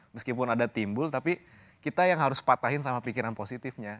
meskipun ada timbul tapi kita yang harus patahin sama pikiran positifnya